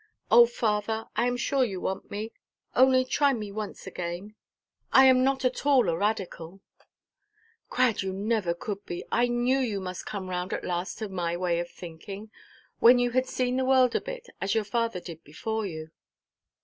"Oh, father, I am sure you want me. Only try me once again. I am not at all a radical." "Crad, you never could be. I knew you must come round at last to my way of thinking. When you had seen the world, Crad; when you had seen the world a bit, as your father did before you."